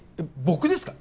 僕ですか？